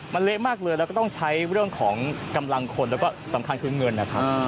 มันเละมากเลยแล้วก็ต้องใช้เรื่องของกำลังคนแล้วก็สำคัญคือเงินนะครับ